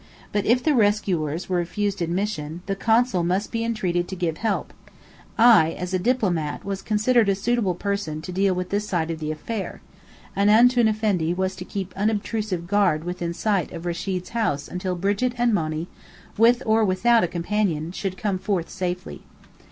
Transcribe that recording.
But if the rescuers were refused admission, the Consul must be entreated to give active help. I, as a "diplomat," was considered a suitable person to deal with this side of the affair; and Antoun Effendi was to keep unobtrusive guard within sight of Rechid's house until Brigit and Monny, with or without a companion, should come forth safely.